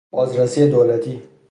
بازرسی دولتی